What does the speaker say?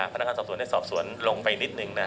พนักค้าสอบสวนให้สอบสวนลงไปนิดหนึ่ง